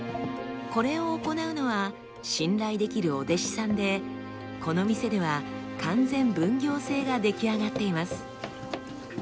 これを行うのは信頼できるお弟子さんでこの店では完全分業制が出来上がっています。